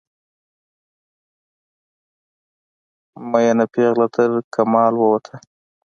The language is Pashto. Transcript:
میینه پیغله ترکمال ووته